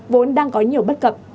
vốn đang có nhiều bất cập